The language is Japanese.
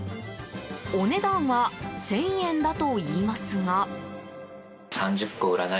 お値段は１０００円だといいますが。